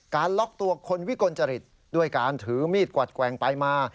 ล็อกตัวคนวิกลจริตด้วยการถือมีดกวัดแกว่งไปมา